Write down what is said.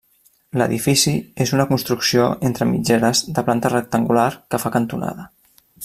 L'edifici és una construcció entre mitgeres, de planta rectangular, que fa cantonada.